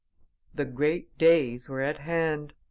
The great days were at hand.